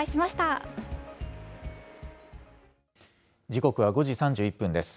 時刻は５時３１分です。